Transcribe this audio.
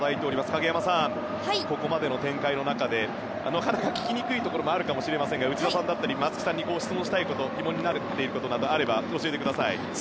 影山さん、ここまでの展開の中でなかなか聞きにくいところもあると思いますが、内田さんや松木さんに質問したいこと疑問などあれば教えてください。